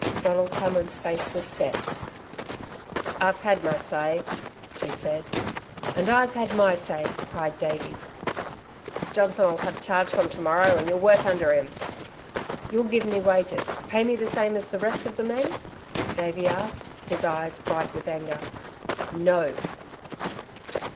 Donald Cameron's face was set. "I've said my say," he said. "And I've said my say," cried Davey. "Johnson'll have charge from to morrow an' you'll work under him." "You'll give me wages pay me the same as the rest of the men?" Davey asked, his eyes bright with anger. "No."